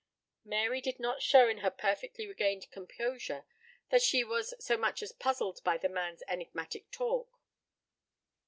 Mary did not show in her perfectly regained composure that she was so much as puzzled by the man's enigmatic talk.